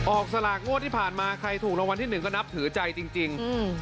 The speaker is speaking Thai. สลากงวดที่ผ่านมาใครถูกรางวัลที่หนึ่งก็นับถือใจจริง